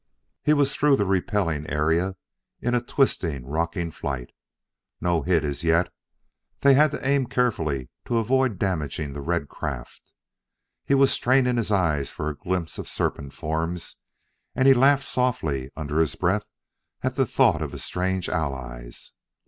He was through the repelling area in a twisting, rocking flight. Not hit as yet; they had to aim carefully to avoid damaging the red craft.... He was straining his eyes for a glimpse of serpent forms, and he laughed softly under his breath at thought of his strange allies.